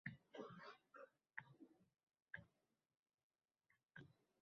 Tushingda ko'rasan endi!